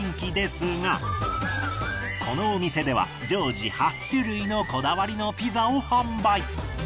このお店では常時８種類のこだわりのピザを販売。